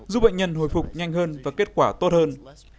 giúp bệnh nhân hồi phục nhanh hơn và kết quả tốt hơn